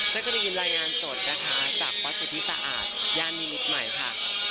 เจ้าก็ได้ยินรายงานสดนะคะจากประจำที่สะอาดย่านีมิตรใหม่ค่ะ